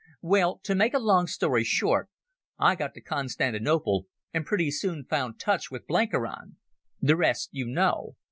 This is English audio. "Well, to make a long story short, I got to Constantinople, and pretty soon found touch with Blenkiron. The rest you know.